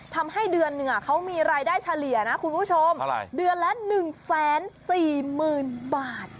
ทำให้เดือนหนึ่งเขามีรายได้เฉลี่ยนะคุณผู้ชมเดือนละ๑๔๐๐๐บาท